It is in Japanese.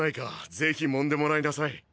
是非揉んでもらいなさい